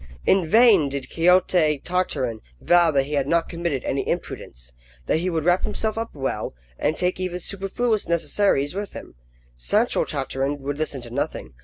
In vain did Quixote Tartarin vow that he had not committed any imprudence that he would wrap himself up well, and take even superfluous necessaries with him. Sancho Tartarin would listen to nothing.